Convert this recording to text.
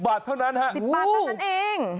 ๑๐บาทเท่านั้นเอง